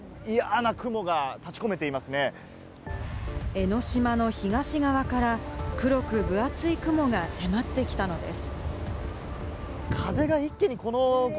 江の島の東側から黒く分厚い雲が迫ってきたのです。